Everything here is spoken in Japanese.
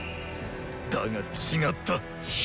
だが違った。